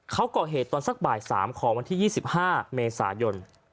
เขาก่อเหตุตอนสักบ่าย๓ของวันที่๒๕เมษายน